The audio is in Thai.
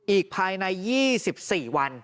อีกภายใน๒๔วัน